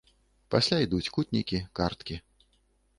Пасля ідуць кутнікі, карткі.